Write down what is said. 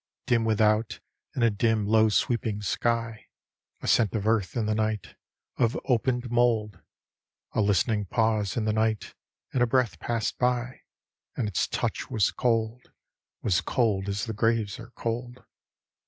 Dim without, and a dim, low sweeping sky; A scent of earth in the night, of opened mould ; A listening pause in the night — and a breath passed by — And its touch was cold, was cold as the graves are cold.